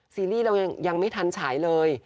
ซีรีส์เรายังไม่ทันฉายเลย